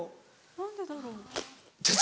・何でだろう？